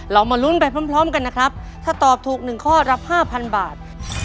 มาลุ้นไปพร้อมกันนะครับถ้าตอบถูก๑ข้อรับ๕๐๐บาท